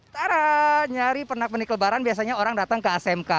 tara nyari penak penik lebaran biasanya orang datang ke asmk